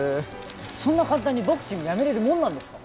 そんな簡単にボクシングやめられるもんなんですか！？